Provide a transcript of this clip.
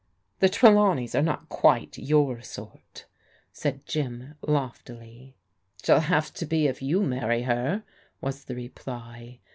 " The Trdawneys are not quite your sort," said Jim loftily, Shell have to be if you marry her," was the reply.